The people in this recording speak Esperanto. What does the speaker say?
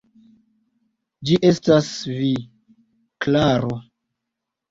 Ĝi estas vi, Klaro!